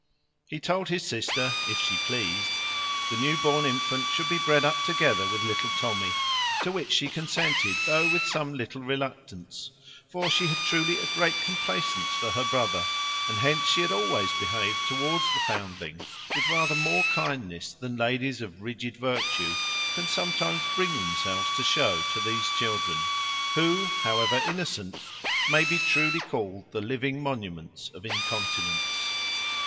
He told his sister, if she pleased, the new born infant should be bred up together with little Tommy; to which she consented, though with some little reluctance: for she had truly a great complacence for her brother; and hence she had always behaved towards the foundling with rather more kindness than ladies of rigid virtue can sometimes bring themselves to show to these children, who, however innocent, may be truly called the living monuments of incontinence.